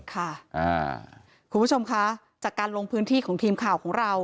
คุณผู้ชมคะจากการลงพื้นที่ของทีมข่าวของเรา